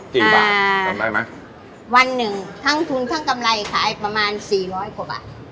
กี่บาทอ่าจำได้ไหมวันหนึ่งทั้งทุนทั้งกำไรขายประมาณสี่ร้อยกว่าบาท